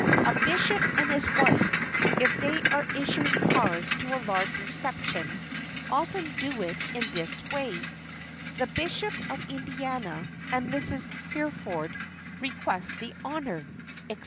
A bishop and his wife, if they are issuing cards to a large reception, often do it in this way: "The Bishop of Indiana and Mrs. Hereford request the honor," etc.